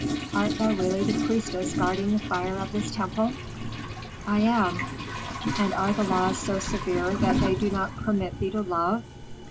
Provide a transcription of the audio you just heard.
Art thou really the priestess guarding the fire of this temple?" "I am." "And are the laws so severe that they do not permit thee to love?